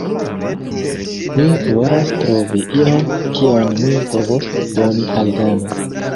Mi volas trovi ion, kion mi povos doni al Dano.